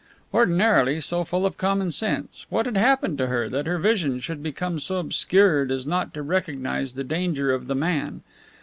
Ordinarily so full of common sense, what had happened to her that her vision should become so obscured as not to recognize the danger of the man?